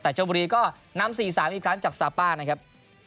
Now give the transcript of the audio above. แต่ชมบุรีก็นำ๔๓อีกครั้งจากซาป้านะครับ